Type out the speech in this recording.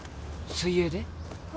水泳で？